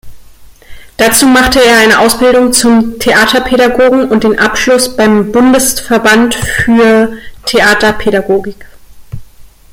Dazu machte er eine Ausbildung zum Theaterpädagogen und den Abschluss beim Bundesverband für Theaterpädagogik.